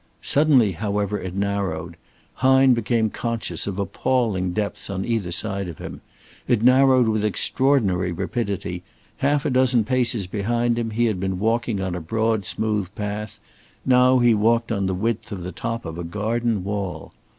Suddenly, however, it narrowed; Hine became conscious of appalling depths on either side of him; it narrowed with extraordinary rapidity; half a dozen paces behind him he had been walking on a broad smooth path; now he walked on the width of the top of a garden wall.